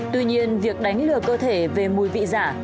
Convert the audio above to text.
tuy nhiên việc đánh lừa cơ thể về mùi vị giả